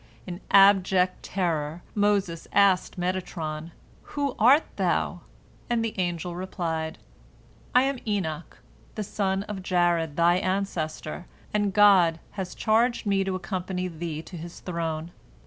In abject terror Moses asked Metatron, "Who art thou?" and the angel replied, "I am Enoch, the son of Jared, thy ancestor, and God has charged me to accompany thee to His throne."